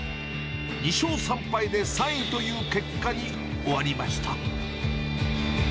２勝３敗で３位という結果に終わりました。